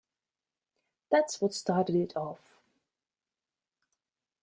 That's what started it off.